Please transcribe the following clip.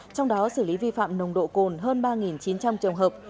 trong đó xử lý vi phạm nồng độ cồn hơn ba chín trăm linh trường hợp